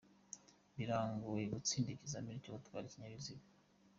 Biragoranye gutsinda ikizamini cyo gutwara ibinyabiziga.